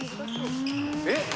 えっ？